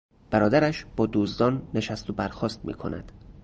برادرش با دزدان نشست و برخاست میکند.